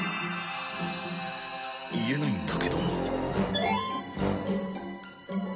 言えないんだけども。